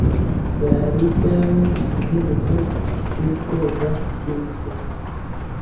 Byari ibyawe iherezo ryubwoba n'amarira